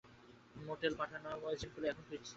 মোটেলে পাঠানো এজেন্টগুলো এখন ফিরছে।